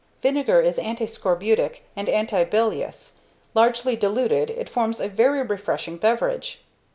Vinegar is anti scorbutic and anti bilious. Largely diluted it forms a very refreshing beverage.